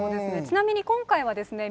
ちなみに今回はですね